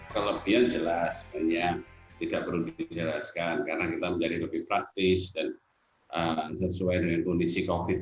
kelebihan jelas banyak tidak perlu dijelaskan karena kita menjadi lebih praktis dan sesuai dengan kondisi covid